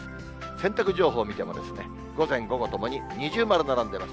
洗濯情報見ても、午前、午後ともに二重丸並んでます。